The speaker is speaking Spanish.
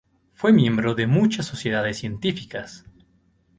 Fue miembro de muchas sociedades científicas.